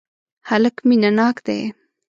هلک مینه ناک دی.